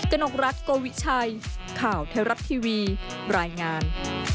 กระหนกรักกววิชัยข่าวเทราปทีวีรายงาน